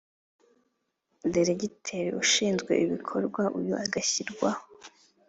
Diregiteri ushinzwe ibikorwa uyu agashyirwaho